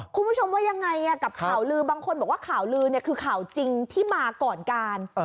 คุณผู้ชมว่ายังไงกับข่าวลือบางคนบอกว่าข่าวลือคือข่าวจริงที่มาก่อนการ